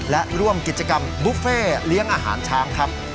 และร่วมกิจกรรมบุฟเฟ่เลี้ยงอาหารช้างครับ